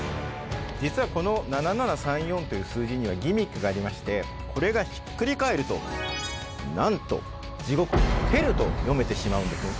じつはこの７７３４という数字にはギミックがありましてこれがひっくり返るとなんと地獄ｈｅｌｌと読めてしまうんですね。